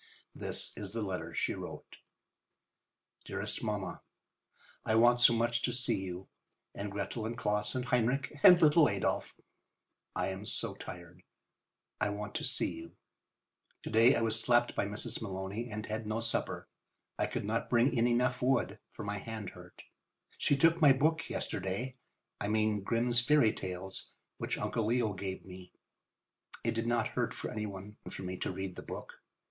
This is the letter she wrote: DEAREST MAMMA:—I want so much to see you. And Gretel and Claus and Heinrich and little Adolf. I am so tired. I want to see you. To day I was slapped by Mrs. Maloney and had no supper. I could not bring in enough wood, for my hand hurt. She took my book yesterday. I mean "Grimm's Fairy Tales," which Uncle Leo gave me. It did not hurt any one for me to read the book.